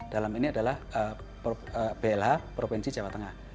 dalam ini adalah blh provinsi jawa tengah